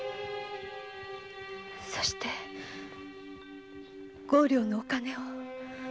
そして五両のお金を。